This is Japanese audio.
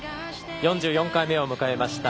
４４回目を迎えました